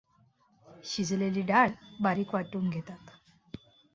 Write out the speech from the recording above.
शिजलेली डाळ बारीक् वाटून घेतात.